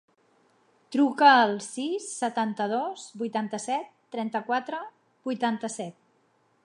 Truca al sis, setanta-dos, vuitanta-set, trenta-quatre, vuitanta-set.